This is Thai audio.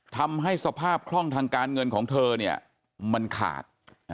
ทำให้สภาพคล่องทางการเงินของเธอเนี่ยมันขาด